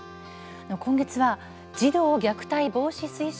今月は児童虐待防止推進